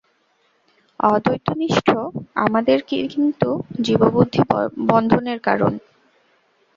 অদ্বৈতনিষ্ঠ আমাদের কিন্তু জীববুদ্ধি বন্ধনের কারণ।